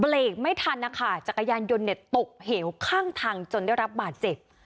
เหล็กไม่ทันนะคะจักรยานยนต์เนี่ยตกเหวข้างทางจนได้รับบาดเจ็บ